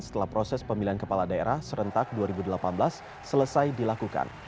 setelah proses pemilihan kepala daerah serentak dua ribu delapan belas selesai dilakukan